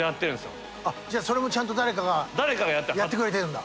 じゃあそれもちゃんと誰かがやってくれてるんだ。